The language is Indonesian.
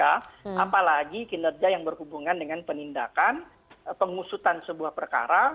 apalagi kinerja yang berhubungan dengan penindakan pengusutan sebuah perkara